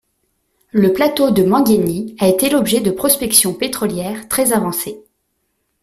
Le plateau de Manguéni a été l'objet de prospections pétrolières très avancées.